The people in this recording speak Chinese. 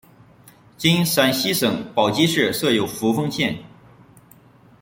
今陕西省宝鸡市设有扶风县。